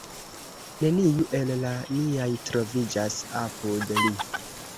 Neniu el la niaj troviĝas apud li.